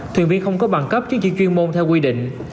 thuyền viên không có bằng cấp chứng chỉ chuyên môn theo quy định